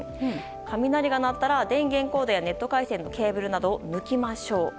雷が鳴ったら電源コードやネット回線のケーブルなどを抜きましょう。